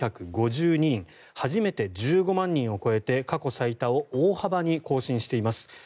初めて１５万人を超えて過去最多を大幅に更新しています。